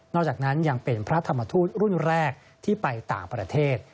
จากนั้นยังเป็นพระธรรมทูตรุ่นแรกที่ไปต่างประเทศ